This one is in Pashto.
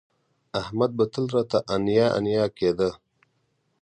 احمد به تل راته انیا انیا کېده